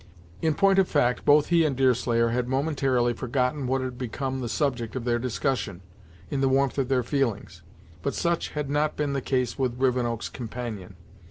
In point of fact, both he and Deerslayer had momentarily forgotten what had become of the subject of their discussion, in the warmth of their feelings, but such had not been the case with Rivenoak's companion.